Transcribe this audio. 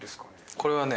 これはね